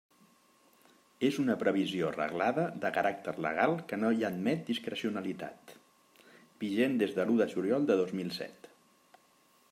És una previsió reglada de caràcter legal que no hi admet discrecionalitat, vigent des de l'u de juliol de dos mil set.